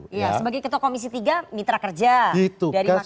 sebagai ketua komisi tiga mitra kerja dari mahkamah konstitusi